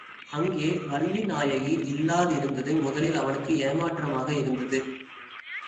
அங்கே வள்ளிநாயகி இல்லாதிருந்தது முதலில் அவனுக்கு ஏமாற்றமாக இருந்தது.